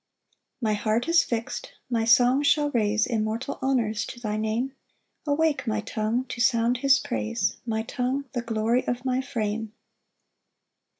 4 My heart is fix'd; my song shall raise Immortal honours to thy Name; Awake, my tongue, to sound his praise, My tongue, the glory of my frame.